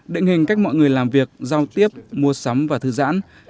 định hình cách mọi người làm việc giao tiếp mua sắm và thư giãn